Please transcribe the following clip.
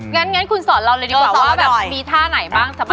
งั้นคุณสอนเราเลยดีกว่าว่าแบบมีท่าไหนบ้าง